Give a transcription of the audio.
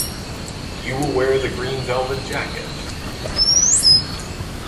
You will wear the green velvet jacket?